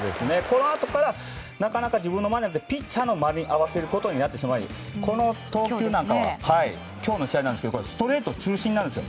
このあとからなかなか、自分の間ではなくピッチャーの間に合わせることになってしまいこの投球なんかは今日の試合ですがストレート中心なんです。